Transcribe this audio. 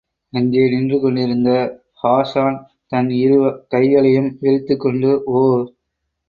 அங்கே நின்று கொண்டிருந்த ஹாஸான், தன் இரு கைகளையும் விரித்துக்கொண்டு, ஓ!